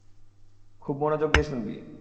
খুব মনোযোগ দিয়ে শুনবি!